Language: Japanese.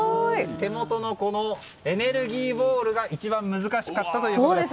手元のエネルギーボールが一番難しかったということです。